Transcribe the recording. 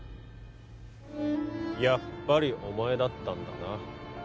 やっぱりお前だったんだな